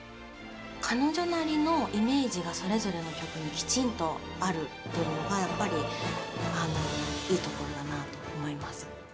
彼女なりのイメージがそれぞれの曲にきちんとあるというのが、やっぱりいいところだなと思います。